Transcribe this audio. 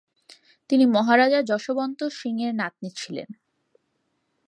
তিনি মহারাজা যশবন্ত সিংয়ের নাতনি ছিলেন।